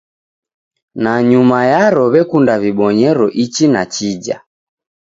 Nanyuma yaro w'ekunda w'ibonyero ichi na chija.